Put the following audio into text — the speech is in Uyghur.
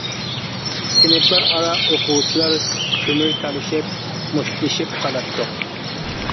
سىنىپلار ئارا ئوقۇغۇچىلار كۆمۈر تالىشىپ مۇشتلىشىپ قالاتتۇق.